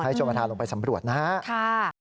ให้ชมภาษาลงไปสำรวจนะฮะค่ะ